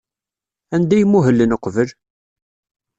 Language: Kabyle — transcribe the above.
Anda ay muhlen uqbel?